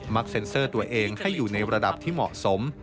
เซ็นเซอร์ตัวเองให้อยู่ในระดับที่เหมาะสม